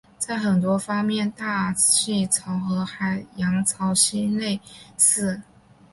在很多方面大气潮和海洋潮汐类似。